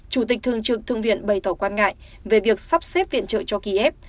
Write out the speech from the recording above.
chủ tịch thường trực thư viện bày tỏ quan ngại về việc sắp xếp viện trợ cho kiev